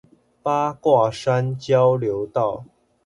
八卦山交流道